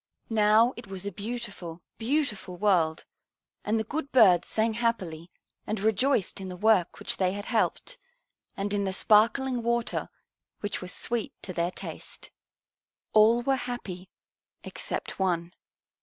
Now it was a beautiful, beautiful world, and the good birds sang happily and rejoiced in the work which they had helped, and in the sparkling water which was sweet to their taste. All were happy except one.